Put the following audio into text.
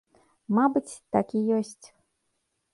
Мабыць, так і ёсць.